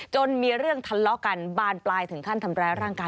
มีเรื่องทะเลาะกันบานปลายถึงขั้นทำร้ายร่างกาย